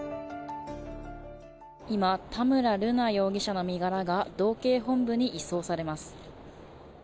今、田村瑠奈容疑者の身柄が道警本部に移送されます。